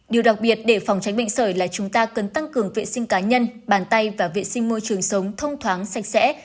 điều đặc biệt để phòng tránh bệnh sởi là chúng ta cần tăng cường vệ sinh cá nhân bàn tay và vệ sinh môi trường sống thông thoáng sạch sẽ